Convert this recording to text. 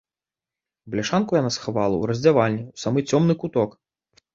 Бляшанку яна схавала ў раздзявальні ў самы цёмны куток.